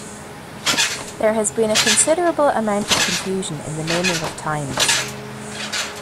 There has been a considerable amount of confusion in the naming of thymes.